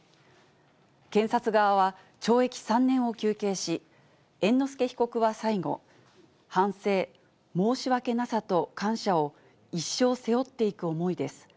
検察側は懲役３年を求刑し、猿之助被告は最後、反省、申し訳なさと感謝を、一生背負っていく思いです。